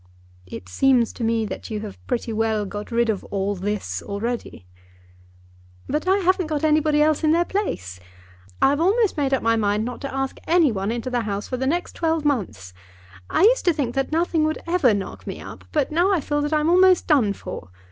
"It seems to me that you have pretty well got rid of 'all this' already." "But I haven't got anybody else in their place. I have almost made up my mind not to ask any one into the house for the next twelve months. I used to think that nothing would ever knock me up, but now I feel that I'm almost done for.